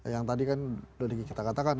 yang tadi kan sudah kita katakan